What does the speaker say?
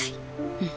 うん。